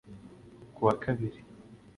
Kuwa kabibi